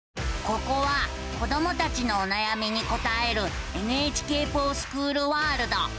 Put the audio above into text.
ここは子どもたちのおなやみに答える「ＮＨＫｆｏｒＳｃｈｏｏｌワールド」。